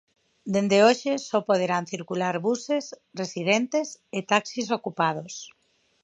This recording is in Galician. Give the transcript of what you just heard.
Dende hoxe só poderán circular buses, residentes e taxis ocupados.